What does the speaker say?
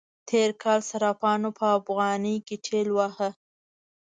تېر کال صرافانو په افغانی کې ټېل واهه.